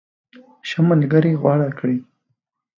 ښه ملګری غوره کړه.